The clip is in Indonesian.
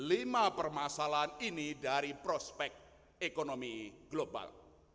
lima permasalahan ini dari prospek ekonomi global